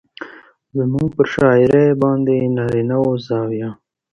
زموږ پر شاعرۍ باندې نارينه زاويه